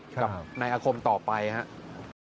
กับในอาคมต่อไปครับ